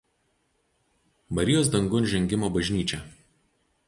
Marijos Dangun Žengimo bažnyčia".